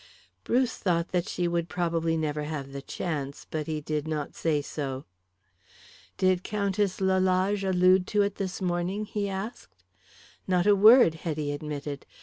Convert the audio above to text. Bruce thought that she would probably never have the chance, but he did not say so. "Did Countess Lalage allude to it this morning?" he asked. "Not a word," Hetty admitted.